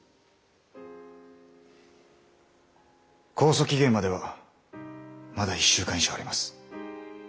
控訴期限まではまだ１週間以上あります。